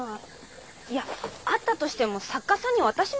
いやあったとしても作家さんに渡しませんよ。